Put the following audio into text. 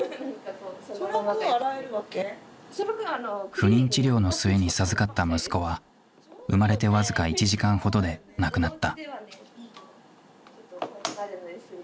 不妊治療の末に授かった息子は生まれて僅か１時間ほどで亡くなった。